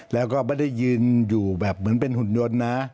แล้วก็ไม่ได้ยืนอยู่แบบเหมือนเป็นหุ่นยนต์นะ